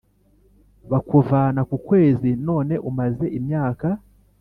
bakuvana ku kwezi none umaze imyaka